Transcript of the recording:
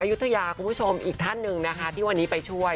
ยุธยาคุณผู้ชมอีกท่านหนึ่งนะคะที่วันนี้ไปช่วย